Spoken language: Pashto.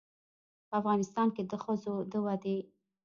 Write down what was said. په افغانستان کې د ښځو د ودې